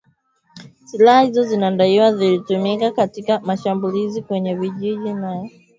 Silaha hizo zinadaiwa zilitumika katika mashambulizi kwenye vijiji na